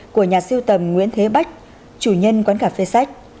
của nhà siêu tầm nguyễn thế bách chủ nhân quán cà phê sách